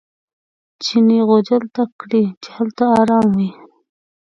چیني غوجل ته کړئ چې هلته ارام وي.